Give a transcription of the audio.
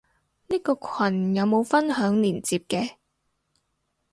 呢個羣有冇分享連接嘅？